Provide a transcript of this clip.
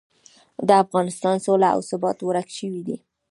د افغانستان سوله او ثبات ورک شوي دي.